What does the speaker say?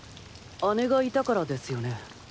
姉がいたからですよね？